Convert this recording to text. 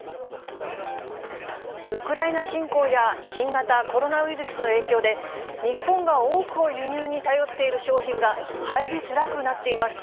ウクライナ侵攻や新型コロナウイルスの影響で、日本が多くを輸入に頼っている商品が入りづらくなっています。